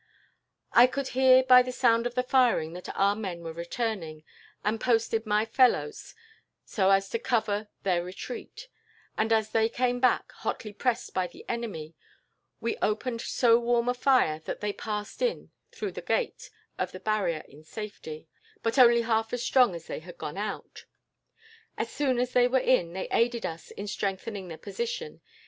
"I could hear by the sound of the firing that our men were returning, and posted my fellows so as to cover their retreat; and as they came back, hotly pressed by the enemy, we opened so warm a fire that they passed in through the gate of the barrier in safety, but only half as strong as they had gone out. "As soon as they were in, they aided us in strengthening the position.